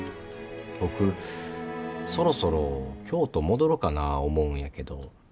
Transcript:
僕そろそろ京都戻ろかな思うんやけど。